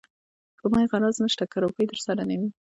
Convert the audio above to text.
په ما يې غرض نشته که روپۍ درسره نه وي.